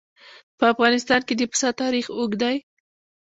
په افغانستان کې د پسه تاریخ اوږد دی.